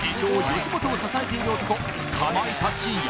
・吉本を支えている男